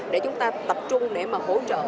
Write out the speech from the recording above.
để chúng ta tập trung để mà hỗ trợ